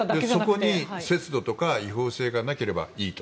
そこに節度とか違法性がなければいいと。